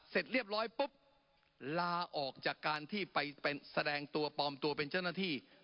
เสร็จเรียบร้อยปุ๊บลาออกจากการที่ไปแสดงตัวปลอมตัวเป็นเจ้าหน้าที่